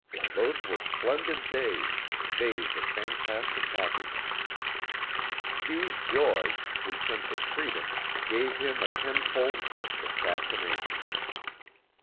Those were splendid days, days of fantastic happiness. Hugh's joy, his sense of freedom, gave him a tenfold gift of fascination.